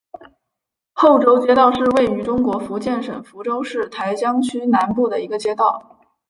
后洲街道是位于中国福建省福州市台江区南部的一个街道。